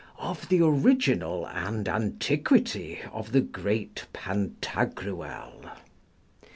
Of the original and antiquity of the great Pantagruel.